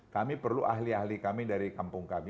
kami perlu ahli ahli kami dari kampung kami